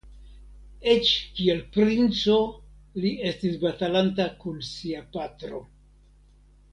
Eĉ kiel princo li estis batalanta kun sia patro.